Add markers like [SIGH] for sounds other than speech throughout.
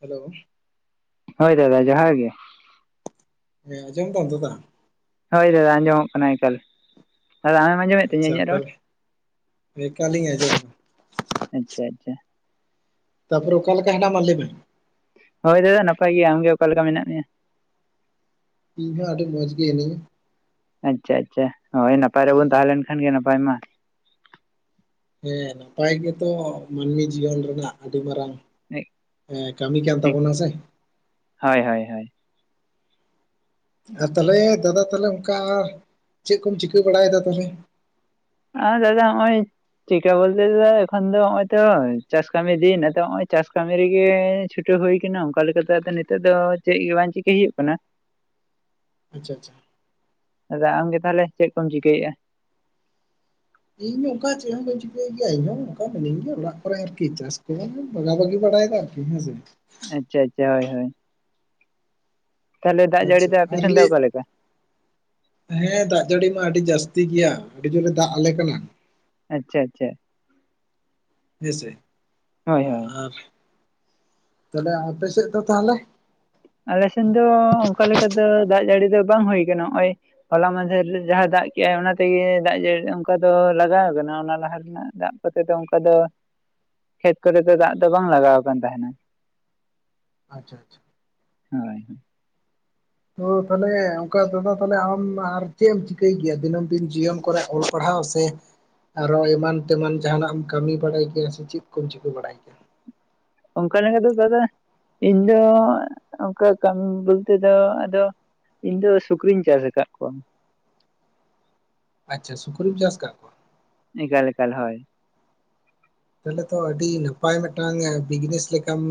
Hello ᱦᱳᱭ ᱫᱟᱫᱟ ᱡᱚᱦᱟᱨ ᱜᱮ᱾ ᱦᱮᱸ ᱟᱡᱚᱢ ᱫᱟᱢ ᱫᱟᱫᱟ? ᱦᱳᱭ ᱫᱟᱫᱟ ᱟᱸᱡᱚᱢᱚᱜ ᱠᱟᱱᱟ ᱮᱠᱟᱹᱞ ᱫᱟᱫᱟ ᱟ ᱟᱢ ᱟᱸᱡᱚᱢᱮᱫ ᱛᱤᱧᱟᱹ ᱟᱪᱪᱷᱟ ᱤᱧᱟᱹᱜ ᱨᱚᱲ ᱛᱟᱦᱚᱞᱮ ᱮᱠᱟᱞᱤᱧ ᱟᱸᱡᱚᱢᱫᱟ ᱟᱪᱷᱟ ᱟᱪᱷᱟ᱾ ᱛᱟᱯᱚᱨ ᱚᱠᱟ ᱞᱮᱠᱟ ᱦᱮᱱᱟᱢᱟ ᱞᱟ. ᱭ ᱢᱮ? ᱦᱳᱭ ᱫᱟᱫᱟ ᱱᱟᱯᱟᱭ ᱜᱮᱭᱟ ᱾ᱟᱢᱜᱮ ᱚᱠᱟᱞᱮ ᱞᱮᱠᱟ ᱢᱮᱱᱟᱜ ᱢᱮᱭᱟ? ᱤᱧ ᱦᱚᱸ ᱟᱹᱰᱤ ᱢᱚᱸᱡᱽ ᱜᱮ ᱦᱮᱱᱤᱧᱟ᱾ ᱟᱪᱷᱟ ᱟᱪᱷᱟ ᱦᱳᱭ ᱱᱟᱯᱟᱭ ᱨᱮᱵᱚᱱ ᱛᱟᱦᱮᱸ ᱞᱮᱱ ᱠᱷᱟᱱ ᱜᱮ ᱱᱟᱯᱟᱭ ᱢᱟ᱾ ᱦᱮᱸ ᱱᱟᱯᱟᱭ ᱜᱮᱛᱚ ᱢᱟᱹᱱᱢᱤ ᱡᱤᱭᱚᱱ ᱨᱮᱱᱟᱜ ᱟᱹᱰᱤ ᱢᱟᱨᱟᱝ, ᱦᱮᱸ ᱠᱟᱹᱢᱤᱠᱟᱱ ᱛᱟᱵᱚᱱᱟ ᱥᱮ᱾ ᱦᱳᱭ ᱦᱳᱭ ᱦᱳᱭ᱾ ᱟᱨ ᱛᱟᱞᱦᱮ ᱫᱟᱫᱟ ᱛᱟᱦᱞᱮ ᱚᱱᱠᱟ ᱪᱮᱫ ᱠᱚᱢ ᱪᱤᱠᱟᱹ ᱵᱟᱲᱟᱭᱫᱟ ᱛᱟᱦᱞᱮ? ᱟᱨ ᱫᱟᱫᱟ ᱦᱟᱜ ᱚᱭ, ᱪᱤᱠᱟᱹ ᱵᱚᱞᱛᱮ ᱫᱚ ᱮᱠᱷᱚᱱ ᱫᱚ ᱱᱚᱜᱚᱭ ᱛᱚ ᱪᱟᱥ ᱠᱟᱹᱢᱤ ᱫᱤᱱ ᱱᱮᱛᱚᱜ ᱪᱟᱥ ᱠᱟᱹᱢᱤ ᱨᱮᱜᱮ ᱪᱷᱩ ᱪᱩᱴᱟᱹ ᱦᱩᱭ ᱟᱠᱟᱱᱟ ᱚᱱᱠᱟ ᱞᱮᱠᱟᱛᱮ ᱱᱤᱛ ᱫᱚ ᱪᱮᱫ ᱵᱟᱝ ᱪᱤᱠᱟᱹᱭ ᱦᱩᱭᱩᱜ ᱠᱟᱱᱟ ᱾ ᱟᱪᱷᱟ ᱟᱪᱷᱟ ᱾ ᱟᱫᱚ ᱟᱢᱜᱮ ᱛᱟᱦᱚᱞᱮ ᱪᱮᱫ ᱠᱚᱢ ᱪᱤᱠᱟᱹᱭᱮᱫᱼᱟ? ᱤᱧᱦ ᱚᱱᱠᱟ ᱪᱮᱫ ᱦᱚᱸ ᱵᱟᱹᱧ ᱪᱤᱠᱟᱹᱭᱮᱫ ᱜᱮᱭᱟ ᱤᱧ ᱦᱚᱸ ᱚᱱᱠᱟ ᱢᱤᱱᱟᱹᱧ ᱜᱮᱭᱟ ᱚᱲᱟᱜ ᱠᱚᱨᱮ ᱟᱨᱠᱤ ᱪᱟᱥ ᱠᱚᱸ ᱵᱟᱜᱟ ᱵᱟᱜᱤ ᱵᱟᱲᱟᱭᱮᱫᱟ ᱾ ᱦᱮᱸ ᱥᱮ᱾ ᱟᱪᱷᱟ ᱟᱪᱷᱟ ᱦᱳᱭ ᱦᱳᱭ ᱾ ᱛᱟᱦᱚᱞᱮ ᱫᱟᱜ ᱡᱟᱲᱤ ᱟᱪᱪᱷᱟ ᱫᱚ ᱟᱯᱮ ᱟᱨ ᱥᱮᱱ ᱫᱚ ᱞᱟᱹᱭ ᱠᱚᱠᱟ ᱞᱮᱠᱟ? ᱦᱮᱸ ᱫᱟᱜ ᱡᱟᱹᱲᱤ ᱢᱟ ᱟᱹᱰᱤ ᱡᱟᱹᱥᱛᱤ ᱜᱮᱭᱟ ᱟᱹᱰᱤ ᱡᱳᱨᱮ ᱫᱟᱜ ᱟᱞᱮ ᱠᱟᱱᱟ ᱾ ᱟᱪᱷᱟ ᱟᱪᱷᱟ ᱾ ᱦᱮᱸᱥᱮ ᱦᱳᱭ ᱦᱳᱭ ᱟᱨ ᱛᱟᱦᱚᱞᱮ ᱟᱯᱮ ᱥᱮᱫ ᱫᱚ ᱛᱟᱦᱚᱞᱮ? ᱟᱞᱮ ᱥᱮᱱ ᱫᱚ ᱚᱱᱠᱟ ᱞᱮᱠᱟ ᱫᱚ ᱫᱟᱜ ᱡᱟᱹᱲᱤ ᱫᱚ ᱵᱟᱝ ᱦᱩᱭ ᱟᱠᱟᱱᱟ ᱱᱚᱜ ᱚᱭ, ᱦᱚᱞᱟ ᱢᱟᱟᱦᱫᱷᱮᱨ ᱨᱮ ᱡᱟᱦᱟᱸ ᱫᱟᱜ ᱠᱮᱜᱼᱟᱭ ᱚᱱᱟᱛᱮᱜᱮ ᱫᱟᱜ ᱡᱟᱹᱲᱤ ᱚᱱᱠᱟ ᱫᱚ ᱞᱟᱜᱟᱣ ᱟᱠᱟᱱᱟ ᱚᱱᱟ ᱞᱟᱦᱟ ᱨᱮᱱᱟᱜ ᱫᱟᱜ ᱠᱚᱛᱮ ᱫᱚ ᱚᱱᱠᱟ ᱫᱚ ᱠᱷᱮᱛ ᱠᱚᱛᱮ ᱫᱚ ᱫᱟᱜ ᱫᱚ ᱵᱟᱝ ᱞᱟᱜᱟᱣ ᱟᱠᱟᱱ ᱛᱟᱦᱮᱱᱟ ᱾ ᱟᱪᱷᱟ ᱟᱪᱷᱟ ᱾ ᱦᱳᱭ ᱾ ᱛᱚ ᱛᱟᱦᱚᱞᱮ ᱚᱱᱠᱟ ᱫᱟᱫᱟ ᱛᱟᱞᱦᱮ ᱟᱢ ᱟᱨ ᱪᱮᱫ ᱮᱢ ᱪᱤᱠᱟᱹᱭ ᱜᱮᱭᱟ ᱫᱤᱱᱟᱹᱢ ᱫᱤᱱ ᱡᱤᱭᱚᱱ ᱠᱚᱨᱮ ᱚᱞ ᱯᱟᱲᱦᱟᱣ ᱥᱮ ᱟᱨᱚ ᱮᱢᱟᱱ ᱛᱮᱢᱟᱱ ᱡᱟᱦᱟᱱᱟᱜ ᱮᱢ ᱠᱟᱹᱢᱤ ᱵᱟᱲᱟᱭ ᱠᱮᱭᱟ ᱥᱮ ᱪᱮᱫ ᱠᱚᱢ ᱪᱤᱠᱟᱹ ᱵᱟᱲᱟᱭ ᱠᱮᱭᱟ? ᱚᱱᱠᱟ ᱞᱮᱠᱟ ᱫᱚ ᱫᱟᱫᱟ ᱤᱧ ᱫᱚ ᱚᱱᱠᱟ ᱠᱟᱹᱢᱤ ᱵᱚᱞᱛᱮ ᱫᱚ ᱟᱫᱚ, ᱤᱧ ᱫᱚ ᱥᱩᱠᱨᱤᱧ ᱪᱟᱥ ᱟᱠᱟᱫ ᱠᱚᱣᱟ ᱾ ᱟᱪᱷᱟ ᱥᱩᱠᱨᱤᱢ ᱪᱟᱥ ᱟᱠᱟᱫ ᱠᱚᱣᱟ? ᱮᱠᱟᱞ ᱮᱠᱟᱞ ᱦᱳᱭ ᱾ ᱛᱟᱦᱚᱞᱮ ᱛᱚ ᱟᱹᱰᱤ ᱱᱟᱯᱟᱭ ᱢᱤᱫᱴᱟᱝ ᱵᱤᱡᱽᱱᱮᱥ ᱞᱮᱠᱟᱢ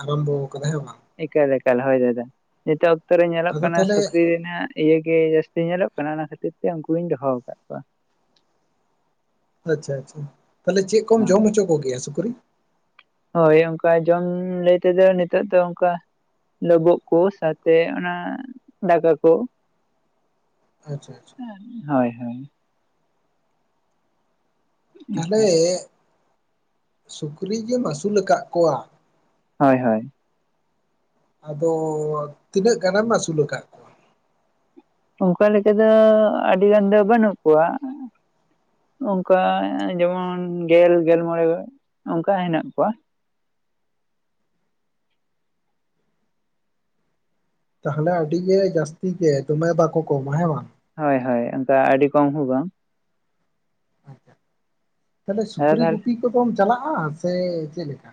ᱟᱨᱟᱢᱵᱚ ᱟᱠᱟᱫᱟ ᱦᱮᱸ ᱵᱟᱝ? ᱮᱠᱟᱞ ᱮᱠᱟᱞ ᱦᱳᱭ ᱫᱟᱫᱟ ᱱᱤᱛᱚᱜ ᱚᱠᱛᱚ ᱨᱮ ᱧᱮᱞᱚᱜ ᱟᱫᱚ ᱠᱟᱱᱟ ᱛᱟᱦᱞᱮ ᱥᱩᱠᱨᱤ ᱨᱮᱱᱟᱜ, ᱤᱭᱟᱹᱜ ᱜᱮ ᱡᱟᱹᱥᱛᱤ ᱧᱮᱞᱚᱜ ᱠᱟᱱᱟ ᱚᱱᱟ ᱠᱷᱟᱹᱛᱤᱨ ᱛᱮ ᱩᱱᱠᱩᱧ ᱫᱚᱦᱚ ᱟᱠᱟᱫ ᱠᱚᱣᱟ ᱾ ᱟᱪᱷᱟ ᱟᱪᱷᱟ ᱛᱟᱦᱚᱞᱮ ᱪᱮᱫ ᱠᱚᱢ ᱠᱚᱣᱟ ᱡᱚᱢ ᱦᱚᱪᱚ ᱠᱚᱜᱮᱭᱟ ᱥᱩᱠᱨᱤ? ᱦᱳᱭ ᱚᱱᱠᱟ ᱡᱚᱢ ᱞᱟᱹᱭ ᱛᱮᱫᱚ ᱱᱤᱛᱚᱜ ᱫᱚ ᱚᱱᱠᱟ᱾ ᱞᱳᱵᱩᱜ ᱠᱚ ᱥᱟᱶᱛᱮ ᱚᱱᱟ ᱫᱟᱠᱟ ᱠᱚ ᱾ ᱟᱪᱷᱟ ᱟᱪᱷᱟ ᱾ ᱦᱳᱭ ᱦᱳᱭ ᱾ ᱛᱟᱦᱚᱞᱮ ᱥᱩᱠᱨᱤ ᱜᱮᱢ ᱟᱹᱥᱩᱞ ᱟᱠᱟᱫ ᱠᱚᱣᱟ! ᱦᱳᱭ ᱦᱳᱭ ᱾ ᱟᱫᱚ ᱛᱤᱱᱟᱹᱜ ᱜᱟᱱᱮᱢ ᱟᱹᱥᱩᱞ ᱟᱠᱟᱫ? ᱠᱚᱣᱟ ᱚᱱᱠᱟ ᱞᱮᱠᱟ ᱫᱚ ᱟᱹᱰᱤ ᱜᱟᱱ ᱫᱚ ᱵᱟᱹᱱᱩᱜ ᱠᱚᱣᱟ, ᱚᱱᱠᱟ ᱡᱮᱢᱚᱱ ᱜᱮᱞ ᱜᱮᱞ ᱢᱚᱬᱮ ᱚᱱᱠᱟ ᱦᱮᱱᱟᱜ ᱠᱚᱣᱟ ᱾ ᱛᱟᱦᱚᱞᱮ ᱟᱹᱰᱤ ᱜᱮ ᱡᱟᱹᱥᱛᱤ ᱜᱮ, ᱫᱚᱢᱮ ᱵᱟᱠᱚ ᱠᱚᱢᱟ ᱦᱮᱸ ᱵᱟᱝ? ᱦᱳᱭ ᱦᱳᱭ ᱚᱱᱠᱟ ᱟᱹᱰᱤ ᱠᱚᱢ ᱦᱚᱸ ᱵᱟᱝ ᱾ ᱟᱪᱪᱷᱟ ᱛᱟᱦᱚᱞᱮ ᱟᱫᱚ ᱥᱩᱠᱨᱤ ᱛᱟᱦᱚᱞᱮ ᱜᱩᱯᱤ ᱠᱚᱫᱚᱢ ᱪᱟᱞᱟᱜᱼᱟ ᱥᱮ ᱪᱮᱫ ᱞᱮᱠᱟ?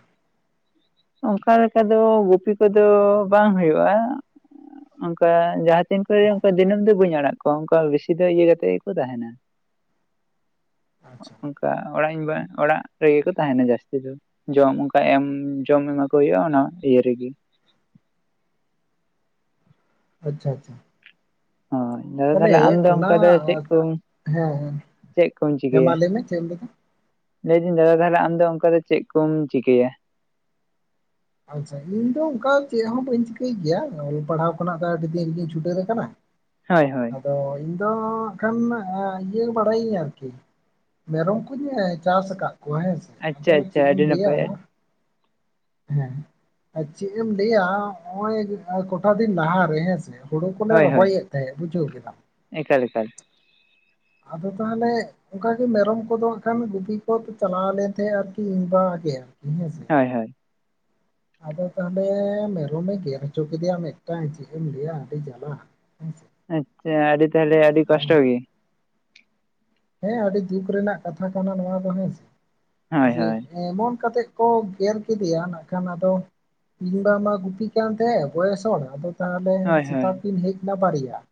ᱚᱱᱠᱟ ᱞᱮᱠᱟ ᱫᱚ ᱜᱩᱯᱤ ᱠᱚᱫᱚ ᱵᱟᱝ ᱦᱩᱭᱩᱜᱼᱟ ᱚᱱᱠᱟ ᱡᱟᱦᱟᱸ ᱛᱤᱱ ᱠᱚᱨᱮ ᱚᱱᱠᱟ ᱫᱤᱱᱟᱹᱢ ᱫᱚ ᱵᱟᱹᱧ ᱟᱲᱟᱜ ᱠᱚᱣᱟ ᱚᱱᱠᱟ ᱵᱤᱥᱤ ᱫᱚ ᱤᱭᱟᱹ ᱠᱟᱛᱮᱜ ᱜᱮᱠᱚ ᱛᱟᱦᱮᱱᱟ ᱾ ᱟᱪᱪᱷᱟ ᱾ ᱚᱱᱠᱟ ᱚᱲᱟᱜ ᱤᱧ ᱵᱟ ᱚᱲᱟᱜ ᱨᱮᱜᱮ ᱠᱚ ᱛᱟᱦᱮᱱᱟ ᱡᱟᱹᱥᱛᱤ ᱫᱚ ᱡᱚᱢ ᱚᱱᱠᱟ ᱮᱢ ᱡᱚᱢ ᱮᱢᱟ ᱠᱚ ᱦᱩᱭᱩᱜᱼᱟ ᱚᱱᱟ ᱤᱭᱟᱹ ᱨᱮᱜᱮ ᱾ ᱟᱪᱪᱷᱟ ᱟᱪᱪᱷᱟ ᱦᱳᱭ ᱫᱟᱫᱟ ᱛᱟᱦᱚᱞᱮ ᱟᱢ ᱫᱚ ᱚᱱᱟ ᱚᱱᱠᱟ ᱫᱚ ᱪᱮᱫ ᱠᱚᱢ ᱦᱮᱸ ᱪᱮᱫ ᱠᱚᱢ ᱪᱤ ᱦᱮ ᱢᱟ ᱞᱟᱹᱭ ᱢᱮ ᱪᱮᱫ ᱮᱢ ᱞᱟᱹᱭᱫᱟ? ᱞᱟᱹᱭᱫᱟᱹᱧ ᱫᱟᱫᱟ ᱛᱟᱦᱚᱞᱮ ᱟᱢᱫᱚ ᱚᱱᱠᱟ ᱫᱚ ᱪᱮᱫ ᱠᱚᱢ ᱪᱤᱠᱟᱹᱭᱟ? ᱟᱪᱪᱷᱟ ᱤᱧ ᱫᱚ ᱚᱱᱠᱟ ᱪᱮᱫ ᱦᱚᱸ ᱵᱟᱹᱧ ᱪᱤᱠᱟᱹᱭ ᱜᱮᱭᱟ ᱚᱞ ᱯᱟᱲᱦᱟᱣ ᱠᱷᱚᱱᱟᱜ ᱫᱚ ᱟᱹᱰᱤ ᱫᱤᱱ ᱨᱮᱜᱤᱧ ᱪᱷᱩᱰᱟᱹᱨ ᱟᱠᱟᱱᱟ ᱾ ᱦᱳᱭ ᱦᱳᱭ ᱟᱫᱚ ᱤᱧ ᱫᱚ ᱦᱟᱸᱜ ᱠᱷᱟᱱ ᱤᱭᱟᱹ ᱵᱟᱲᱟᱭᱤᱧ ᱟᱨᱠᱤ ᱢᱮᱨᱚᱢ ᱠᱩᱧ ᱪᱟᱥ ᱟᱠᱟᱫ ᱠᱚᱣᱟ ᱦᱮᱸᱥᱮ, ᱟᱫᱚ ᱟᱪᱪᱷᱟ ᱟᱪᱪᱷᱟ ᱪᱮᱫ ᱮᱢ ᱟᱹᱰᱤ ᱞᱟᱹᱭᱟ ᱱᱟᱯᱟᱭ ᱦᱮᱸ ᱟᱨ ᱪᱮᱫ ᱮᱢ ᱞᱟᱹᱭᱟ ᱱᱚᱜ-ᱚᱭ ᱠᱚᱴᱟ ᱫᱤᱱ ᱞᱟᱦᱟ ᱨᱮ ᱦᱮᱸ ᱥᱮ ᱦᱳᱲᱳ ᱠᱚᱞᱮ ᱦᱳᱭ ᱦᱳᱭ ᱨᱚᱦᱚᱭᱮᱫ ᱛᱟᱦᱮᱸᱫ ᱵᱩᱡᱷᱟᱹᱣ ᱠᱮᱫᱟᱢ ᱾ ᱮᱠᱟᱞ ᱮᱠᱟᱞ ᱾ ᱟᱫᱚ ᱛᱟᱦᱚᱞᱮ ᱚᱱᱠᱟ ᱜᱮ ᱢᱮᱨᱚᱢ ᱠᱚᱫᱚ ᱦᱟᱸᱜ ᱠᱷᱟᱱ ᱜᱩᱯᱤ ᱠᱚ ᱪᱟᱞᱟᱣ ᱞᱮᱱ ᱛᱟᱦᱮᱸᱫ ᱟᱨᱠᱤ ᱤᱧ ᱵᱟ ᱜᱮ ᱟᱨᱠᱤ ᱦᱮᱸᱥᱮ ᱾ ᱦᱳᱭ ᱦᱳᱭ ᱾ ᱟᱫᱚ ᱛᱟᱦᱚᱞᱮ ᱢᱮᱨᱚᱢᱮ ᱜᱮᱨ ᱦᱚᱪᱚ ᱠᱮᱫᱮᱭᱟ ᱢᱤᱫᱴᱟᱝ ᱪᱮᱫ ᱮᱢ ᱞᱟᱹᱭᱟ ᱟᱹᱰᱤ ᱡᱟᱞᱟ! [UNINTELLIGIBLE] ᱟᱪᱪᱷᱟ ᱟᱹᱰᱤ ᱛᱟᱦᱚᱞᱮ ᱟᱹᱰᱤ ᱟᱫᱚ ᱠᱚᱥᱴᱚ ᱜᱮ ᱾ ᱦᱮᱸ ᱟᱹᱰᱤ ᱫᱩᱠ ᱨᱮᱱᱟᱜ ᱠᱟᱛᱷᱟ ᱠᱟᱱᱟ ᱱᱚᱣᱟ ᱫᱚ ᱦᱮᱸᱥᱮ ᱦᱳᱭ ᱡᱮ ᱦᱳᱭ ᱮᱢᱚᱱ ᱠᱟᱛᱮᱜ ᱠᱚ ᱜᱮᱨ ᱠᱮᱫᱮᱭᱟ ᱱᱟᱜ ᱠᱷᱟᱱ ᱟᱫᱚ ᱤᱧ ᱵᱟ ᱢᱟ ᱜᱩᱯᱤ ᱠᱟᱱ ᱛᱟᱦᱮᱸ, ᱵᱚᱭᱮᱥ ᱦᱚᱲ ᱟᱫᱚ ᱛᱟᱦᱚᱞᱮ ᱦᱳᱭ ᱦᱳᱭ ᱥᱮᱛᱟ ᱠᱤᱱ ᱦᱮᱡ ᱮᱱᱟ ᱵᱟᱨᱭᱟ ᱾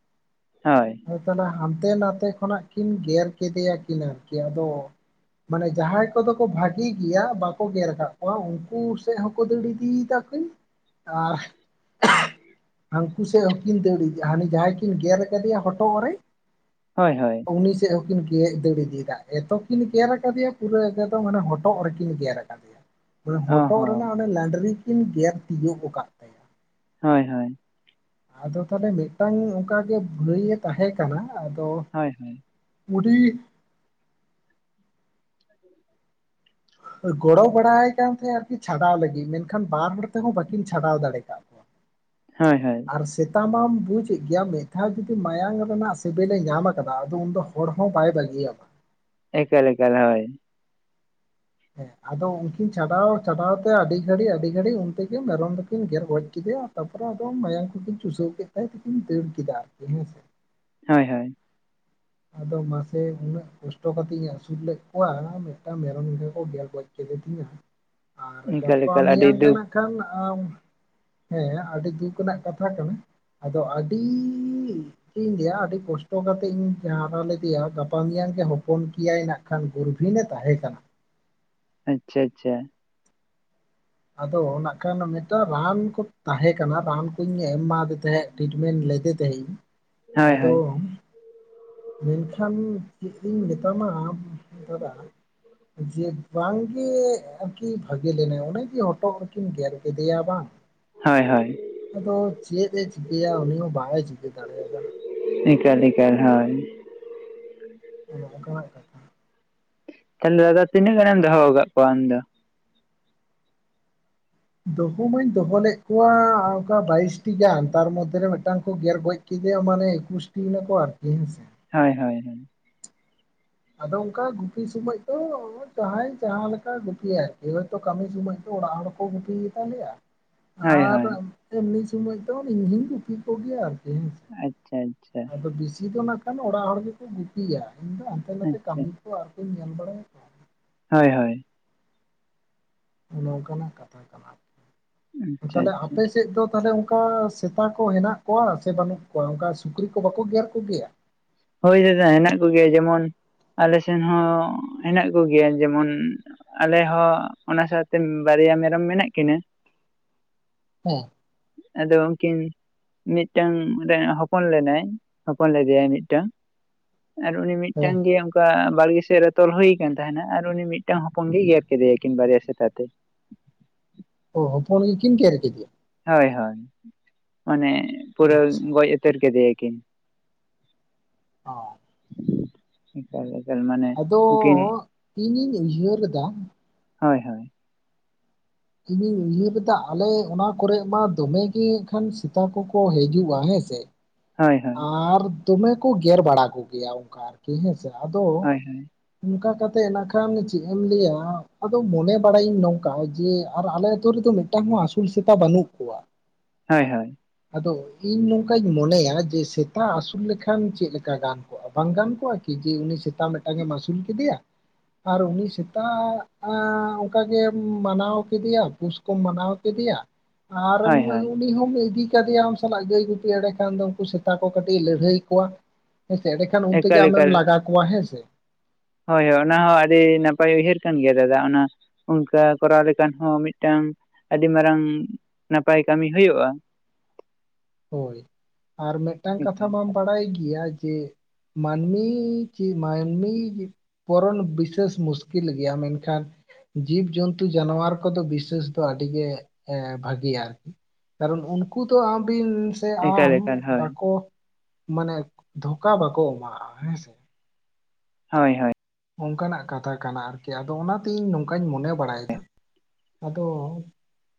ᱦᱳᱭ ᱾ ᱟᱫᱚ ᱛᱟᱦᱚᱞᱮ ᱦᱟᱱᱛᱮ ᱱᱟᱛᱮ ᱠᱷᱚᱱᱟᱜ ᱠᱤᱱ ᱜᱮᱨ ᱠᱮᱫᱮᱭᱟ ᱠᱤᱱ ᱟᱨᱠᱤ ᱟᱫᱚ ᱢᱟᱱᱮ ᱡᱟᱦᱟᱸᱭ ᱠᱚᱫᱚ ᱠᱚ ᱵᱷᱟᱜᱤ ᱜᱮᱭᱟ ᱵᱟᱠᱚ ᱜᱮᱨ ᱟᱠᱟᱫ ᱠᱚᱣᱟ ᱩᱱᱠᱩ ᱥᱮᱫ ᱦᱚᱸᱠᱚ ᱫᱟᱹᱲ ᱤᱫᱤᱭᱮᱫᱟ [UNINTELLIGIBLE] ᱟᱨ [INAUDIBLE] ᱦᱟᱹᱱᱠᱩ ᱥᱮᱫ ᱦᱚᱸᱠᱤᱱ ᱫᱟᱹᱲ ᱤᱫᱤ ᱦᱟᱱᱤ ᱡᱟᱦᱟᱸᱭ ᱠᱤᱱ ᱜᱮᱨ ᱠᱟᱫᱮᱭᱟ ᱦᱚᱴᱚᱜ ᱨᱮ ᱦᱳᱭ ᱦᱳᱭ ᱾ ᱩᱱᱤ ᱥᱮᱫ ᱦᱚᱸ ᱠᱤᱱ ᱜᱮ ᱫᱟᱹᱲ ᱤᱫᱤᱭᱮᱫᱟ ᱮᱛᱚ ᱠᱤᱱ ᱜᱮᱨ ᱟᱠᱟᱫᱮᱭᱟ ᱯᱩᱨᱟᱹ ᱮᱠᱚᱫᱚᱢ ᱦᱚᱴᱚᱜ ᱨᱮᱠᱤᱱ ᱜᱮᱨ ᱟᱠᱟ [UNINTELLIGIBLE] ᱢᱟᱱᱮ ᱚ ᱦᱚᱴᱚᱜ ᱦᱚᱸ ᱨᱮᱱᱟᱜ ᱚᱱᱟ ᱱᱟᱸᱰᱨᱤ ᱠᱤᱱ ᱜᱮᱨ ᱛᱤᱭᱳᱜ ᱟᱠᱟᱫ ᱛᱟᱭᱟ ᱦᱳᱭ ᱦᱳᱭ ᱾ ᱟᱫᱚ ᱛᱟᱦᱚᱞᱮ ᱢᱤᱫᱴᱟᱝ ᱚᱱᱠᱟ ᱜᱮ ᱵᱷᱟᱹᱭᱮ ᱛᱟᱦᱮᱸ ᱠᱟᱱᱟ, ᱟᱫᱚ ᱦᱳᱭ ᱦᱳᱭ ᱾ ᱩᱱᱤ [UNINTELLIGIBLE] ᱜᱚᱲᱚ ᱵᱟᱲᱟ ᱟᱭ ᱠᱟᱱ ᱛᱟᱦᱮᱸᱫ ᱟᱨᱠᱤ ᱪᱷᱟᱰᱟᱣ ᱞᱟᱹᱜᱤᱫ ᱢᱮᱱᱠᱷᱟᱱ ᱵᱟᱨ ᱦᱚᱲ ᱛᱮᱦᱚᱸ ᱵᱟᱹᱠᱤᱱ ᱪᱷᱟᱰᱟᱣ ᱫᱟᱲᱮ ᱠᱟᱜ ᱠᱚᱣᱟ ᱾ [UNINTELLIGIBLE] ᱦᱳᱭ ᱦᱳᱭ ᱾ ᱟᱨ ᱥᱮᱛᱟ ᱢᱟᱢ ᱵᱩᱡᱮᱜ ᱜᱮᱭᱟ ᱢᱤᱫ ᱫᱷᱟᱣ ᱡᱩᱫᱤ ᱢᱟᱭᱟᱝ ᱨᱮᱱᱟᱜ ᱥᱮᱵᱮᱞᱮ ᱧᱟᱢ ᱟᱠᱟᱫᱟ ᱟᱫᱚ ᱩᱱ ᱫᱚ ᱦᱚᱲ ᱦᱚᱸ ᱵᱟᱭ ᱵᱟᱹᱜᱤᱭᱟᱢᱟ᱾ ᱮᱠᱟᱞ ᱮᱠᱟᱞ ᱦᱳᱭ᱾ ᱦᱮᱸ ᱟᱫᱚ ᱩᱱᱠᱤᱱ ᱪᱟᱰᱟᱣ ᱪᱷᱟᱰᱟᱣ ᱛᱮ ᱟᱹᱰᱤ ᱜᱷᱟᱹᱲᱤᱡ ᱟᱹᱰᱤ ᱜᱷᱟᱹᱲᱤᱡ ᱩᱱᱛᱮ ᱜᱮ ᱢᱮᱨᱚᱢ ᱫᱚᱠᱤᱱ ᱜᱮᱨ ᱜᱚᱡ ᱠᱮᱫᱮᱭᱟ᱾ ᱛᱟᱯᱚᱨᱮ ᱟᱫᱚ ᱢᱟᱭᱟᱝ ᱠᱚᱠᱤᱱ ᱪᱩᱥᱟᱹᱣ ᱠᱮᱫ ᱛᱟᱭ ᱛᱤᱠᱤᱱ ᱫᱟᱹᱲ ᱠᱮᱫᱟ ᱟᱨᱠᱤ ᱦᱮᱸ ᱥᱮ᱾ ᱦᱳᱭ ᱦᱳᱭ᱾ ᱟᱫᱚ ᱢᱟᱥᱮ ᱩᱱᱟᱹᱜ ᱠᱚᱥᱴᱚ ᱠᱟᱛᱤᱧ ᱟᱹᱥᱩᱞ ᱞᱮᱫ ᱠᱚᱣᱟ ᱢᱤᱫᱴᱟᱝ ᱢᱮᱨᱚᱢ ᱮᱝᱜᱟ ᱠᱚ ᱜᱮᱨ ᱜᱚᱡ ᱠᱮᱫ ᱛᱤᱧᱟ᱾ ᱟᱨ ᱮᱠᱟᱞ ᱜᱟᱯᱟ ᱮᱠᱟᱞ ᱟᱹᱰᱤ ᱢᱮᱭᱟᱝ ᱜᱮ ᱫᱩᱠ ᱱᱟᱜ ᱠᱷᱟᱱ ᱟᱢ ᱦᱮᱸ ᱟᱹᱰᱤ ᱫᱩᱠ ᱨᱮᱱᱟᱜ ᱠᱟᱛᱷᱟ ᱠᱟᱱᱟ᱾ ᱟᱫᱚ ᱟᱹᱰᱤ ᱪᱤᱜ ᱤᱧ ᱞᱟᱹᱭᱟ ᱟᱹᱰᱤ ᱠᱚᱥᱴᱚ ᱠᱟᱛᱮᱫ ᱤᱧ ᱦᱟᱨᱟ ᱞᱮᱫᱮᱭᱟ ᱜᱟᱯᱟ ᱢᱮᱭᱟᱝ ᱜᱮ ᱦᱚᱯᱚᱱ ᱠᱮᱭᱟᱭ ᱱᱟᱜ ᱠᱷᱟᱱ ᱜᱩᱨᱵᱷᱤᱱᱮ ᱛᱟᱦᱮᱸ ᱠᱟᱱᱟ᱾ ᱟᱪᱪᱷᱟ ᱟᱪᱪᱷᱟ᱾ ᱟᱫᱚ ᱱᱟᱜ ᱠᱷᱟᱱ ᱢᱤᱫᱴᱟᱝ ᱨᱟᱱ ᱠᱚ ᱛᱟᱦᱮᱸ ᱠᱟᱱᱟ ᱨᱟᱱᱠᱩᱧ ᱮᱢᱟᱫᱮ ᱛᱟᱦᱮᱸᱫ᱾ ᱴᱤᱴᱢᱮᱱᱴ ᱞᱮᱫᱮ ᱛᱟᱦᱮᱸᱧ ᱦᱳᱭ ᱟᱫᱚ ᱦᱳᱭ ᱢᱮᱱᱠᱷᱟᱱ ᱪᱮᱫ ᱤᱧ ᱢᱮᱛᱟᱢᱟ? ᱫᱟᱫᱟ ᱡᱮ ᱵᱟᱝ ᱜᱮ ᱟᱨᱠᱤ ᱵᱷᱟᱜᱮ ᱞᱮᱱᱟᱭ ᱚᱱᱮ ᱠᱤ ᱦᱚᱴᱚᱜ ᱨᱮᱠᱤᱱ ᱜᱮᱨ ᱠᱮᱫᱮᱭᱟ ᱵᱟᱝ ᱦᱳᱭ ᱦᱳᱭ᱾ ᱟᱫᱚ ᱪᱮᱫ ᱮ ᱪᱤᱠᱟᱹᱭᱟ ᱩᱱᱤ ᱦᱚᱸ ᱵᱟᱝ ᱮ ᱪᱤᱠᱟᱹ ᱫᱟᱲᱮᱭᱟᱫᱟ᱾ ᱮᱠᱟᱞ ᱮᱠᱟᱞ ᱦᱳᱭ᱾ ᱟᱫᱚ ᱟᱱᱠᱟᱱᱟᱜ ᱠᱟᱱᱟ ᱾ ᱛᱟᱦᱚᱞᱮ ᱫᱟᱫᱟ ᱛᱤᱱᱟᱹᱜ ᱜᱟᱱᱮᱢ ᱫᱚᱦᱚ ᱟᱠᱟᱫ ᱠᱚᱣᱟ ᱟᱢ ᱫᱚ? ᱫᱚᱦᱚ ᱢᱟᱹᱧ ᱫᱚᱦᱚ ᱞᱮᱫ ᱠᱚᱣᱟ ᱚᱱᱠᱟ ᱵᱟᱭᱤᱥᱴᱤ ᱜᱟᱱ ᱛᱟᱨ ᱢᱚᱫᱫᱷᱮ ᱨᱮ ᱢᱤᱫᱴᱟᱝ ᱠᱚ ᱜᱮᱨ ᱜᱚᱡ ᱠᱮᱫᱮᱭᱟ ᱢᱟᱱᱮ ᱤᱠᱩᱥᱴᱤᱭ ᱱᱟ ᱠᱚ ᱟᱨᱠᱤ ᱦᱮᱸᱥᱮ᱾ ᱦᱳᱭ-ᱦᱳᱭ-ᱦᱳᱭ᱾ ᱟᱫᱚ ᱚᱱᱠᱟ ᱜᱩᱯᱤ ᱥᱚᱢᱚᱭ ᱫᱚ ᱡᱟᱦᱟᱸᱭ ᱡᱟᱦᱟᱸ ᱞᱮᱠᱟ ᱜᱩᱯᱤᱭᱟᱭ ᱠᱮᱭᱳ ᱛᱚ ᱠᱟᱹᱢᱤ ᱥᱚᱢᱚᱭ ᱫᱚ ᱚᱲᱟᱜ ᱦᱚᱲ ᱠᱚ ᱜᱩᱯᱤ ᱜᱮᱛᱟᱞᱮᱭᱟ᱾ ᱦᱳᱭ ᱟᱨ ᱦᱳᱭ ᱮᱢᱱᱤ ᱥᱚᱢᱚᱭ ᱫᱚ ᱤᱧᱜᱤᱧ ᱜᱩᱯᱤ ᱠᱚᱜᱮᱭᱟ ᱟᱨᱠᱤ ᱦᱮᱸᱥᱮ᱾ ᱟᱪᱪᱷᱟ-ᱟᱪᱪᱷᱟ᱾ ᱟᱫᱚ ᱵᱤᱥᱤ ᱫᱚ ᱱᱟᱜ ᱠᱷᱟᱱ ᱚᱲᱟᱜ ᱦᱚᱲ ᱜᱮᱠᱚ ᱜᱩᱯᱤᱭᱟ ᱤᱧ ᱫᱚ ᱦᱟᱱᱛᱮ ᱱᱟᱛᱮ ᱟᱪᱪᱷᱟ ᱠᱟᱹᱢᱤ ᱠᱚ ᱟᱨᱠᱩᱧ ᱧᱮᱞ ᱵᱟᱲᱟᱭᱟ ᱵᱟᱥ ᱾ ᱦᱳᱭ-ᱦᱳᱭ᱾ ᱟᱵᱮ ᱚᱱᱚ ᱠᱟᱱᱟᱜ ᱠᱟᱛᱷᱟ ᱠᱟᱱᱟ, ᱟᱪᱪᱷᱟ ᱛᱟᱦᱞᱮ ᱟᱪᱪᱷᱟ ᱟᱯᱮ ᱥ ᱥᱮᱫ ᱫᱚ ᱛᱟᱦᱚᱞᱮ ᱚᱱᱠᱟ ᱥᱮᱛᱟ ᱠᱚ ᱦᱮᱱᱟᱜ ᱠᱚᱣᱟ ᱥᱮ ᱵᱟᱹᱱᱩᱜ ᱠᱚᱣᱟ ᱚᱱᱠᱟ ᱥᱩᱠᱨᱤ ᱠᱚ ᱵᱟᱠᱚ ᱜᱮᱨ ᱠᱚᱜᱮᱭᱟ? ᱦᱳᱭ ᱫᱟᱫᱟ ᱦᱮᱱᱟᱜ ᱠᱚᱜᱮᱭᱟ ᱡᱮᱢᱚᱱ ᱟᱞᱮ ᱥᱮᱱ ᱦᱚᱸ ᱦᱮᱱᱟᱜ ᱠᱚᱜᱮᱭᱟ ᱡᱮᱢᱚᱱ ᱟᱞᱮ ᱦᱚᱸ ᱚᱱᱟ ᱥᱟᱶᱛᱮ ᱵᱟᱨᱭᱟ ᱢᱮᱨᱚᱢ ᱢᱮᱱᱟᱜ ᱠᱤᱱᱟᱹ᱾ ᱦᱮᱸ ᱟᱫᱚ ᱩᱱᱠᱤᱱ ᱢᱤᱫᱴᱟᱝ ᱨᱮ ᱦᱚᱯᱚᱱ ᱞᱮᱱᱟᱭ ᱦᱚᱯᱚᱱ ᱞᱮᱫᱮᱭᱟ ᱢᱤᱫ ᱴᱟᱝ ᱟᱨ ᱩᱱᱤ ᱢᱤᱫᱴᱟᱝ ᱦᱮᱸ ᱜᱮ ᱚᱱᱠᱟ ᱵᱟᱲᱜᱮ ᱥᱮᱫ ᱨᱮ ᱛᱚᱞ ᱦᱩᱭᱠᱟᱱ ᱛᱟᱦᱮᱱᱟ ᱟᱨ ᱩᱱᱤ ᱢᱤᱫᱴᱟᱝ ᱦᱚᱯᱚᱱ ᱜᱮᱭ ᱜᱮᱨ ᱠᱮᱫᱮᱭᱟᱠᱤᱱ ᱵᱟᱨᱭᱟ ᱥᱮᱛᱟ ᱛᱮ᱾ ᱳ ᱦᱚᱯᱚᱱ ᱜᱮ ᱠᱤᱱ ᱠᱮᱨ ᱠᱤᱫᱤᱭᱟ᱾ ᱦᱳᱭ-ᱦᱳᱭ ᱢᱟᱱᱮ ᱯᱩᱨᱟᱹ ᱟᱪᱪᱷᱟ ᱜᱚᱡ ᱩᱛᱟᱹᱨ ᱠᱮᱫᱮᱭᱟ ᱠᱤᱱ᱾ ᱚ ᱮᱠᱟᱞ ᱮᱠᱟᱞ ᱢᱟᱱᱮ, ᱟᱫᱚ ᱩᱱᱠᱤᱱ ᱤᱧᱤᱧ ᱩᱭᱦᱟᱹᱨ ᱫᱟ ᱦᱳᱭ-ᱦᱳᱭ᱾ ᱤᱧᱤᱧ ᱩᱭᱦᱟᱹᱨᱮᱫᱟ ᱟᱞᱮ ᱚᱱᱟ ᱠᱚᱨᱮᱜ ᱢᱟ ᱫᱚᱢᱮ ᱜᱮ ᱠᱷᱟᱱ ᱥᱮᱛᱟ ᱠᱚᱠᱚ ᱦᱤᱡᱩᱜ-ᱟ ᱦᱮᱸᱥᱮ᱾ ᱦᱳᱭ ᱦᱳᱭ ᱟᱨ ᱫᱚᱢᱮ ᱠᱚ ᱜᱮᱨ ᱵᱟᱲᱟ ᱠᱚᱜᱮᱭᱟ ᱚᱱᱠᱟ ᱜᱮ ᱦᱮᱸᱥᱮ ᱟᱫᱚ ᱦᱳᱭ ᱚᱱᱠᱟ ᱠᱟᱛᱮᱜ ᱱᱟᱠᱷᱟᱱ ᱪᱮᱜ ᱤᱧ ᱞᱟᱹᱭᱟ ᱟᱫᱚ ᱢᱚᱱᱮ ᱵᱟᱲᱟᱭᱤᱧ ᱱᱚᱝᱠᱟ ᱡᱮ ᱟᱨ ᱟᱞᱮ ᱟᱹᱛᱩ ᱨᱮᱫᱚ ᱢᱤᱫ ᱴᱟᱝ ᱦᱚᱸ ᱟᱹᱥᱩᱞ ᱥᱮᱛᱟ ᱵᱟᱹᱱᱩᱜ ᱠᱚᱣᱟ᱾ ᱦᱳᱭ ᱦᱳᱭ᱾ ᱟᱫᱚ ᱤᱧ ᱱᱚᱝᱠᱟᱧ ᱢᱚᱱᱮᱭᱟ ᱡ ᱡᱮ ᱥᱮᱛᱟ ᱟᱹᱥᱩᱞ ᱞᱮᱠᱷᱟᱱ ᱪᱮᱜ ᱞᱮᱠᱟ ᱜᱟᱱ ᱠᱚᱜ-ᱟ ᱵᱟᱝ ᱜᱟᱱ ᱠᱚᱜᱟ ᱠᱤ ᱡᱮ ᱩᱱᱤ ᱥᱮᱛᱟ ᱢᱤᱫᱴᱟᱝ ᱮᱢ ᱟᱹᱥᱩᱞ ᱠᱮᱫᱮᱭᱟ ᱟᱨ ᱩᱱᱤ ᱥᱮᱛᱟᱜ ᱟᱸ ᱚᱱᱠᱟ ᱜᱮᱢ ᱢᱟᱱᱟᱣ ᱠᱮᱫᱮᱭᱟ ᱯᱩᱥ ᱠᱚᱢ ᱢᱟᱱᱟᱣ ᱠᱮᱫᱮᱭᱟ᱾ ᱟᱨᱮᱢ ᱦᱳᱭ ᱦᱳᱭ ᱩᱱᱤ ᱦᱚᱢ ᱤᱫᱤ ᱠᱟᱫᱮᱭᱟ ᱟᱢ ᱥᱟᱞᱟᱜ ᱜᱟᱹᱭ ᱜᱩᱯᱤ ᱮᱲᱮ ᱠᱷᱟᱱ ᱫᱚ ᱩᱱᱠᱩ ᱥᱮᱛ ᱛᱟ ᱠᱚ ᱠᱟᱹᱴᱤᱡ ᱮ ᱞᱟᱹᱲᱦᱟᱹᱭ ᱠᱚᱣᱟ, ᱦᱮᱸᱥᱮ ᱮᱸᱰᱮᱠᱷᱟᱱ ᱩᱱᱛᱮᱜᱮ ᱮᱠᱟᱞ ᱟᱢᱮᱢ ᱮᱠᱟᱞ ᱞᱟᱜᱟ ᱠᱚᱣᱟ ᱦᱮᱸ ᱥᱮ᱾ ᱦᱳᱭ ᱦᱳᱭ ᱚᱱᱟ ᱦᱚᱸ ᱟᱹᱰᱤ ᱱᱟᱯᱟᱭ ᱩᱭᱦᱟᱹᱨ ᱠᱟᱱ ᱜᱮᱭᱟ ᱫᱟᱫᱟ ᱚᱱᱟ ᱚᱱᱠᱟ ᱠᱚᱨᱟᱣ ᱞᱮᱠᱷᱟᱱ ᱦᱚᱸ ᱢᱤᱜᱴᱟᱝ ᱟᱹᱰᱤ ᱢᱟᱨᱟᱝ ᱱᱟᱯᱟᱭ ᱠᱟᱹᱢᱤ ᱦᱩᱭᱩᱜᱼᱟ᱾ ᱦᱳᱭ ᱟᱨ ᱢᱤᱜᱴᱟᱝ ᱠᱟᱛᱷᱟ ᱮᱠᱟᱞ ᱢᱟᱢ ᱮᱠᱟᱞ ᱵᱟᱲᱟᱭ ᱜᱮᱭᱟ ᱡᱮ ᱢᱟᱱᱢᱤ ᱪᱤ ᱢᱟᱱᱢᱤ ᱯᱚᱨᱚᱱ ᱵᱤᱥᱟᱹᱥ ᱢᱩᱥᱠᱤᱞ ᱜᱮᱭᱟ ᱢᱮᱱᱠᱷᱟᱱ ᱡᱤᱵ ᱡᱚᱱᱛᱩ ᱡᱟᱱᱣᱟᱨ ᱠᱚᱫᱚ ᱵᱤᱥᱟᱹᱥ ᱫᱚ ᱟᱹᱰᱤ ᱜᱮ ᱮ ᱵᱷᱟᱹᱜᱮᱭᱟ᱾ ᱠᱟᱨᱚᱱ ᱩᱱᱠᱩ ᱫᱚ ᱟᱢ ᱵᱤᱱ ᱥᱮ ᱮᱠᱟᱞ ᱟᱢ ᱮᱠᱟᱞ ᱦᱳᱭ ᱵᱟᱠᱚ ᱢᱟᱱᱮ ᱫᱷᱳᱠᱟ ᱵᱟᱠᱚ ᱮᱢᱟᱜᱼᱟ ᱦᱮᱸ ᱥᱮ᱾ ᱦᱳᱭ ᱦᱳᱭ᱾ ᱚᱱᱠᱟᱱᱟᱜ ᱠᱟᱛᱷᱟ ᱠᱟᱱᱟ ᱟᱨᱠᱤ ᱟᱫᱚ ᱚᱱᱟᱛᱮᱧ ᱱᱚᱝᱠᱟᱧ ᱢᱚᱱᱮ ᱵᱟᱲᱟᱭᱮᱫᱟ ᱟᱫᱚ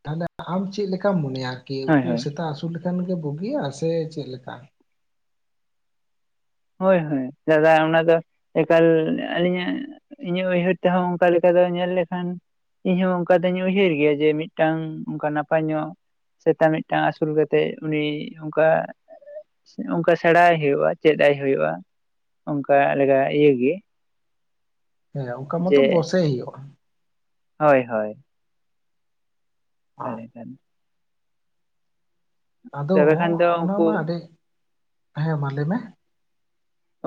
ᱛᱟᱦᱞᱮ ᱟᱢ ᱪᱮᱜ ᱞᱮᱠᱟᱢ ᱢᱚᱱᱮᱭᱟ? ᱠᱤ ᱦᱳᱭ ᱩᱱᱠᱩ ᱦᱳᱭ ᱥᱮᱛᱟ ᱟᱹᱥᱩᱞ ᱞᱮᱠᱷᱟᱱ ᱜᱮ ᱵᱩᱜᱤᱭᱟ ᱥᱮ ᱪᱮᱜ ᱞᱮᱠᱟ? ᱦᱳᱭ ᱦᱳᱭ ᱫᱟᱫᱟ ᱚᱱᱟ ᱫᱚ ᱮᱠᱟᱞ ᱟᱹᱞᱤᱧᱟᱜ ᱤᱧᱟᱹᱜ ᱩᱭᱦᱟᱹᱨ ᱛᱮᱦᱚᱸ ᱚᱱᱠᱟ ᱞᱮᱠᱟ ᱫᱚ ᱧᱮᱞ ᱞᱮᱠᱷᱟᱱ ᱤᱧᱦᱚᱸ ᱚᱱᱠᱟ ᱫᱚᱧ ᱩᱭᱦᱟᱹᱨ ᱜᱮᱭᱟ ᱡᱮ ᱢᱤᱜᱴᱟᱝ ᱚᱱᱠᱟ ᱱᱟᱯᱟᱭ ᱧᱚᱜ ᱥᱮᱛᱟ ᱢᱤᱜᱴᱟᱝ ᱟᱹᱥᱩᱞ ᱠᱟᱛᱮᱜ ᱩᱱᱤ ᱱᱚᱝᱠᱟ ᱚᱱᱠᱟ ᱥᱮᱬᱟᱭ ᱦᱩᱭᱩᱜ-ᱟ ᱪᱮᱫ ᱟᱭ ᱦᱩᱭᱩᱜ-ᱟ ᱚᱱᱠᱟ ᱞᱮᱠᱟ ᱤᱭᱮ ᱜᱮ᱾ ᱦᱮᱸ ᱚᱱᱠᱟ ᱢᱟᱛᱚ ᱡᱮ ᱵᱚᱥᱮ ᱦᱩᱭᱩᱜᱼᱟ᱾ ᱦᱳᱭ ᱦᱳᱭ᱾ [INAUDIBLE] ᱟᱫᱚ ᱛᱚᱵᱮ ᱠᱷᱟᱱ ᱫᱚ ᱚᱱᱟ ᱩᱱᱠᱩ ᱢᱟ ᱟᱹᱰᱤ ᱦᱮᱸ ᱢᱟ ᱞᱟᱹᱭ ᱢᱮ᱾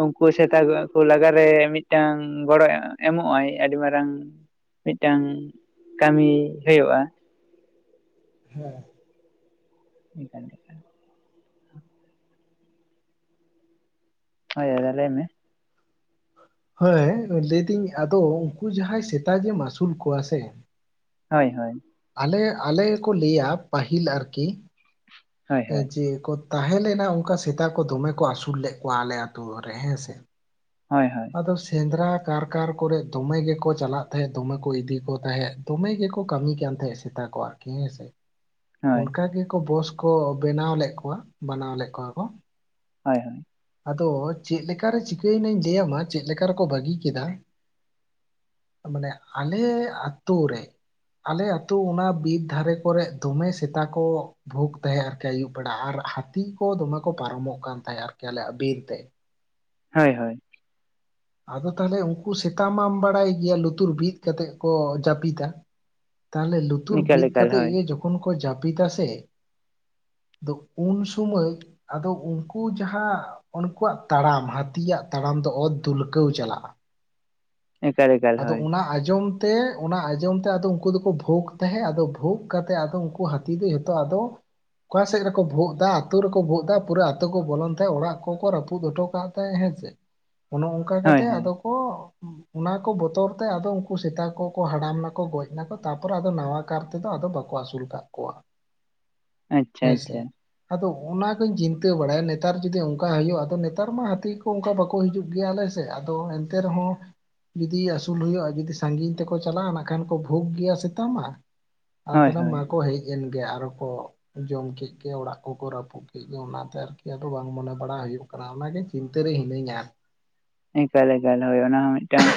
ᱩᱱᱠᱩ ᱥᱮᱛᱟ ᱠᱚ ᱠᱩ ᱞᱟᱜᱟᱨᱮ ᱢᱤᱜᱴᱟᱝ ᱜᱚᱲᱚᱭ ᱮᱢᱚᱜ ᱟᱭ ᱟᱹᱰᱤ ᱢᱟᱨᱟᱝ᱾ ᱢᱤᱫᱴᱟᱝ ᱠᱟᱹᱢᱤ ᱦᱩᱭᱩᱜᱼᱟ᱾ [INAUDIBLE] [INAUDIBLE] ᱦᱳᱭ ᱦᱳᱭ ᱞᱟᱹᱭ ᱢᱮ᱾ ᱦᱳᱭ ᱦᱮᱸ ᱞᱟᱹᱭᱫᱟᱹᱧ ᱟᱫᱚ ᱩᱱᱠᱩ ᱡᱟᱦᱟᱸᱭ ᱥᱮᱛᱟ ᱡᱮᱢ ᱟᱹᱥᱩᱞ ᱠᱚᱣᱟ ᱥᱮ ᱦᱳᱭ ᱦᱳᱭ ᱟᱞᱮ ᱟᱞᱮ ᱠᱚ ᱞᱟᱹᱭᱟ ᱯᱟᱹᱦᱤᱞ ᱟᱨᱠᱤ-ᱼ ᱦᱳᱭ ᱮ ᱦᱳᱭ ᱡᱮ ᱠᱚ ᱛᱟᱦᱮᱸ ᱞᱮᱱᱟ ᱚᱱᱠᱟ ᱥᱮᱛᱟ ᱠᱚ ᱫᱚᱢᱮ ᱠᱚ ᱟᱹᱥᱩᱞ ᱞᱮᱫ ᱠᱚᱣᱟ ᱟᱞᱮ ᱟᱛᱳ ᱨᱮ ᱦᱮᱸ ᱥᱮ, ᱦᱳᱭ ᱦᱳᱭ᱾ ᱟᱫᱚ ᱥᱮᱫᱽᱨᱟ ᱠᱟᱨᱠᱟᱨ ᱠᱚᱨᱮᱜ ᱫᱚᱢᱮ ᱜᱮᱠᱚ ᱪᱟᱞᱟᱜ ᱛᱟᱦᱮᱸᱫ ᱫᱚᱢᱮ ᱠᱚ ᱤᱫᱤ ᱠᱚ ᱛᱟᱦᱮᱸᱫ᱾ ᱫᱚᱢᱮ ᱜᱮᱠᱚ ᱠᱟᱹᱢᱤ ᱠᱟᱱ ᱛᱟᱦᱮᱸᱜ ᱥᱮᱛᱟ ᱠᱚ ᱟᱨᱠᱤ ᱦᱮᱸᱥᱮ᱾ ᱦᱳᱭ ᱚᱱᱠᱟ ᱜᱮᱠᱚ ᱵᱚᱥ ᱠᱚ ᱵᱮᱱᱟᱣ ᱞᱮᱫ ᱠᱚᱣᱟ ᱢᱟᱱᱟᱣ ᱞᱮᱜ ᱠᱚᱣᱟ ᱠᱚ᱾ ᱦᱳᱭ ᱦᱳᱭ᱾ ᱟᱫᱚ ᱪᱮᱫᱠᱟᱨᱮ ᱪᱤᱠᱟᱹᱭᱮᱱᱟᱧ ᱞᱟᱹᱭᱟ ᱪᱮᱫ ᱞᱮᱠᱟ ᱨᱮᱠᱚ ᱵᱟᱹᱜᱤ ᱠᱮᱫᱟ, ᱢᱟᱱᱮ ᱟᱞᱮ ᱟᱛᱳ ᱨᱮ ᱟᱞᱮ ᱟᱛᱳ ᱚᱱᱟ ᱵᱤᱨ ᱫᱷᱟᱨᱮ ᱠᱚᱨᱮᱫ ᱫᱚᱢᱮ ᱥᱮᱛᱟ ᱠᱚ ᱵᱷᱳᱜᱽ ᱛᱟᱦᱮᱸᱫ ᱟᱨᱠᱤ ᱟᱹᱭᱩᱵ ᱵᱮᱲᱟ ᱟᱨ ᱦᱟᱹᱛᱤ ᱠᱚ ᱫᱚᱢᱮ ᱠᱚ ᱯᱟᱨᱚᱢᱚᱜ ᱠᱟᱱ ᱛᱟᱦᱮᱸᱫ ᱟᱨᱠᱤ ᱟᱞᱮᱭᱟᱜ ᱵᱤᱨᱛᱮ, ᱦᱳᱭ ᱦᱳᱭ᱾ ᱟᱫᱚ ᱛᱟᱦᱚᱞᱮ ᱩᱱᱠᱩ ᱥᱮᱛᱟ ᱢᱟᱢ ᱵᱟᱲᱟᱭ ᱜᱮᱭᱟ ᱞᱩᱛᱩᱨ ᱵᱤᱫ ᱠᱟᱛᱮᱜ ᱠᱚ ᱡᱟᱹᱯᱤᱫᱟ, ᱛᱟᱦᱞᱮ ᱞᱩᱛᱩᱨ ᱮᱠᱟᱞ ᱵᱤᱫ ᱮᱠᱟᱞ ᱠᱟᱛᱮᱜ ᱦᱳᱭ ᱜᱮ ᱡᱚᱠᱷᱚᱱ ᱠᱚ ᱡᱟᱹᱯᱤᱫ ᱥᱮ ᱫᱚ ᱩᱱ ᱥᱩᱢᱟᱹᱭ ᱟᱫᱚ ᱩᱱᱠᱩ ᱡᱟᱦᱟᱸ ᱩᱱᱠᱩᱣᱟᱜ ᱛᱟᱲᱟᱢ ᱦᱟᱹᱛᱤᱭᱟᱜ ᱛᱟᱲᱟᱢ ᱚᱛ ᱛᱩᱞᱠᱟᱹᱣ ᱪᱟᱞᱟᱜᱼᱟ ᱮᱠᱟᱞ ᱮᱠᱟᱞ ᱟᱫᱚ ᱦᱳᱭ ᱚᱱᱟ ᱟᱸᱡᱚᱢ ᱛᱮ ᱚᱱᱟ ᱟᱸᱡᱚᱢ ᱛᱮ ᱩᱱᱠᱩ ᱫᱚᱠᱚ ᱵᱷᱳᱩᱜᱽ ᱛᱟᱦᱮᱸᱫ ᱟᱫᱚ ᱵᱷᱳᱜ ᱠᱟᱛᱮᱜ ᱩᱱ ᱦᱟᱹᱛᱤ ᱫᱚ ᱡᱚᱛᱚ ᱟᱫᱚ ᱚᱠᱟᱥᱮᱫ ᱨᱮᱠᱚ ᱵᱷᱩᱜᱚᱜ ᱮᱫᱟ ᱟᱛᱳ ᱨᱮᱠᱚ ᱵᱷᱩᱜᱚᱜ ᱮᱫᱟ ᱯᱩᱨᱟᱹ ᱟᱛᱳ ᱠᱚ ᱵᱚᱞᱚᱱ ᱛᱟᱦᱮᱸᱜ ᱚᱲᱟᱜ ᱠᱚᱠᱚ ᱨᱟᱹᱯᱩᱫ ᱚᱴᱚ ᱠᱟᱫ ᱛᱟᱦᱮᱸᱜ ᱦᱮᱸᱥᱮ ᱚᱱᱮ ᱚᱱᱠᱟ ᱦᱳᱭ ᱠᱟᱛᱮᱜ ᱦᱳᱭ ᱟᱫᱚ ᱠᱚ ᱚᱱᱟᱠᱚ ᱵᱚᱛᱚᱨ ᱛᱮᱫᱚ ᱩᱱᱠᱩ ᱥᱮᱛᱟ ᱠᱚ ᱦᱟᱲᱟᱢ ᱱᱟᱠᱚ ᱜᱚᱡ ᱱᱟᱠᱚ ᱛᱟᱯᱚᱨᱫᱚ ᱱᱟᱣᱟ ᱟᱨ ᱛᱮᱫᱚ ᱟᱫᱚ ᱵᱟᱠᱚ ᱟᱹᱥᱩᱞ ᱠᱟᱜ ᱠᱚᱣᱟ ᱟᱪᱪᱷᱟ ᱦᱮᱸᱥᱮ ᱟᱪᱪᱷᱟ ᱟᱫᱚ ᱚᱱᱟ ᱠᱚᱧ ᱪᱤᱱᱛᱟᱹ ᱵᱟᱲᱟᱭᱟ ᱱᱮᱛᱟᱨ ᱡᱩᱫᱤ ᱚᱱᱠᱟ ᱦᱩᱭᱩᱜᱼᱟ ᱟᱫᱚ ᱱᱮᱛᱟᱨ ᱢᱟ ᱦᱟᱹᱛᱤ ᱠᱚ ᱚᱱᱠᱟ ᱵᱟᱠᱚ ᱦᱤᱡᱩᱜ ᱜᱮᱭᱟᱞᱮ ᱥᱮ ᱟᱫᱚ ᱮᱱᱛᱮ ᱨᱮᱦᱚᱸ ᱡᱩᱫᱤ ᱟᱹᱥᱩᱞ ᱦᱩᱭᱩᱜᱼᱟ ᱡᱩᱫᱤ ᱥᱟᱺᱜᱤᱧ ᱛᱮᱠᱚ ᱪᱟᱞᱟᱜᱼᱟ ᱱᱟᱜ ᱠᱷᱟᱱ ᱠᱚ ᱵᱷᱩᱜ ᱜᱮᱭᱟ ᱥᱮᱛᱟ ᱢᱟ, ᱟᱫᱚ ᱦᱳᱭ ᱛᱟᱦᱚᱞᱮ ᱦᱳᱭ ᱢᱟᱠᱚ ᱦᱮᱡ ᱮᱱ ᱜᱮ ᱟᱨᱚ ᱠᱚ ᱡᱚᱢ ᱠᱮᱫ ᱜᱮ ᱚᱲᱟᱜ ᱠᱚᱠᱚ ᱨᱟᱹᱯᱩᱫ ᱠᱮᱫ ᱜᱮ ᱚᱱᱟᱛᱮ ᱟᱨᱠᱤ ᱟᱫᱚ ᱵᱟᱝ ᱢᱚᱱᱮ ᱵᱟᱲᱟ ᱦᱩᱭᱩᱜ ᱠᱟᱱᱟ, ᱠᱟᱱᱟ ᱚᱱᱟᱜᱮ ᱪᱤᱱᱛᱟᱹ ᱨᱮ ᱦᱤᱱᱟᱹᱧᱟ, ᱮᱠᱟᱞ ᱮᱠᱟᱞ ᱦᱳᱭ ᱚᱱᱟ ᱦᱚᱸ ᱢᱤᱫᱴᱟᱝ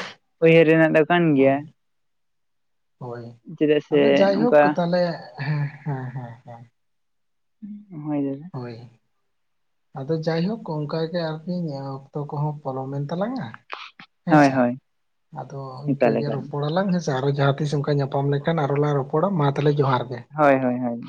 ᱩᱭᱦᱟᱹᱨ ᱨᱮᱱᱟᱜ ᱫᱚ ᱠᱟᱱ ᱜᱮᱭᱟ, ᱦᱳᱭ ᱪᱮᱫᱟᱜ ᱥᱮ ᱟᱫᱚ ᱡᱟᱭᱦᱳᱠ ᱚᱱᱠᱟ ᱛᱟᱦᱞᱮ ᱦᱮᱸ ᱦᱮᱸ ᱦᱮᱸ᱾ ᱦᱩᱭ ᱫᱟᱫᱟ, ᱦᱳᱭ᱾ ᱟᱫᱚ ᱡᱟᱭᱦᱳᱠ ᱚᱱᱠᱟ ᱜᱮ ᱟᱨᱠᱤ ᱚᱠᱛᱚ ᱠᱚᱦᱚᱸ ᱯᱚᱞᱚᱢᱮᱱ ᱛᱟᱞᱟᱝᱟ ᱦᱳᱭ ᱦᱮᱸᱥᱮ ᱦᱳᱭ ᱟᱫᱚ ᱤᱱᱠᱟᱹ ᱮᱠᱟᱞ ᱜᱮ ᱮᱠᱟᱞ ᱨᱚᱯᱚᱲᱟᱞᱟᱝ ᱦᱮᱸ, ᱥᱮ ᱟᱨᱚ ᱡᱟᱦᱟᱸ ᱛᱤᱥ ᱚᱱᱠᱟ ᱧᱟᱯᱟᱢ ᱞᱮᱱᱠᱷᱟᱱ ᱟᱨᱚ ᱞᱮ ᱨᱚᱯᱚᱲᱟ ᱢᱟ ᱛᱟᱦᱚᱞᱮ ᱡᱚᱦᱟᱨ ᱜᱮ, ᱦᱳᱭ ᱦᱳᱭ ᱦᱳᱭ᱾